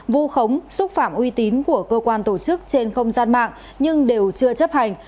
vu khống xúc phạm uy tín của cơ quan tổ chức trên không gian mạng nhưng đều chưa chấp hành